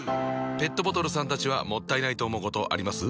ペットボトルさんたちはもったいないと思うことあります？